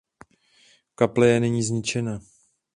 Kaple je nyní zničena.